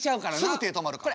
すぐ手止まるから。